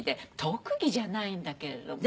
特技じゃないんだけれども。